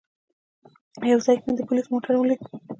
یو ځای کې مې د پولیسو موټر ولید.